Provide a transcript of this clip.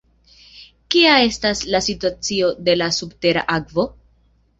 Kia estas la situacio de la subtera akvo?